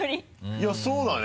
いやそうだね。